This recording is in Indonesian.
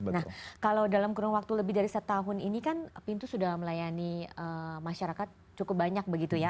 nah kalau dalam kurun waktu lebih dari setahun ini kan pintu sudah melayani masyarakat cukup banyak begitu ya